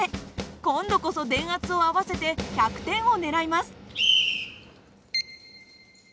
今度こそ電圧を合わせて１００点を狙います。